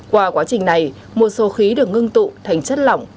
qua quá trình này một số khí được ngưng tụ thành chất lỏng